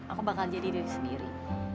aku bakal jadi diri sendiri